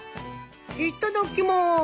いっただきます！